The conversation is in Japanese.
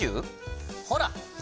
ほら！